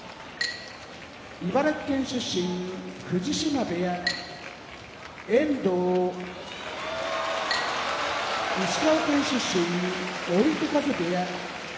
茨城県出身藤島部屋遠藤石川県出身追手風部屋